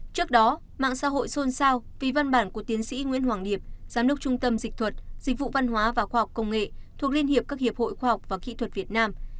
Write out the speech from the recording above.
trước đó mạng xã hội xôn xao vì văn bản của tiến sĩ nguyễn hoàng điệp giám đốc trung tâm dịch thuật dịch vụ văn hóa và khoa học công nghệ thuộc liên hiệp các hiệp hội khoa học và kỹ thuật việt nam